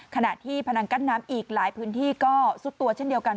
ขณะที่พนังกั้นน้ำอีกหลายพื้นที่ก็ซุดตัวเช่นเดียวกัน